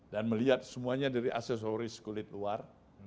dan melihat semuanya dari aksesoris kulit luar